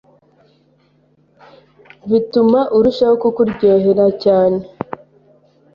bituma arushaho kukuryohera cyane